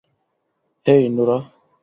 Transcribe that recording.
হেই, Norah.